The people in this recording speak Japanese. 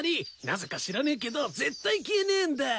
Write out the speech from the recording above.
なぜか知らねえけど絶対消えねえんだ。